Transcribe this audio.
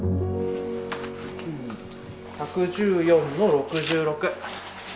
１１４の６６。